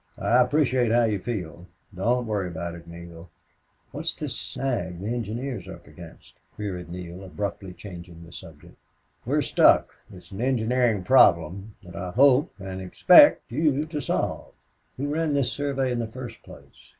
"I appreciate how you feel. Don't worry about it, Neale." "What's this snag the engineers are up against?" queried Neale, abruptly changing the subject. "We're stuck. It's an engineering problem that I hope and expect you to solve." "Who ran this survey in the first place?"